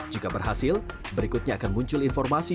jika berhasil berikutnya akan muncul informasi